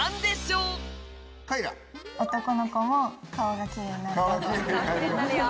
男の子も顔がきれいになるよ。